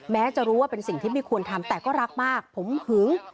แม้จะรู้ว่าเป็นสิ่งที่ไม่ควรทำแต่ก็รักมากผมหึง